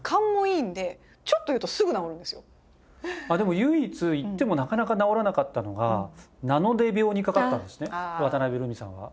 まあでも唯一言ってもなかなか直らなかったのが「なので病」にかかったんですね渡辺瑠海さんは。